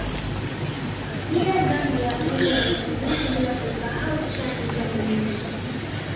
Pia Gambia ipo na Msumbiji bila kuisahau Chadi na Namibia